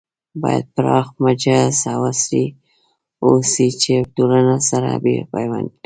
بايد پراخ، مجهز او عصري اوسي چې ټولنه سره پيوند کړي